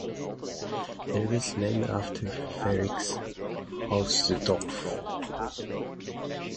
It is named after Felix Hausdorff.